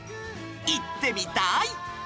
行ってみたい！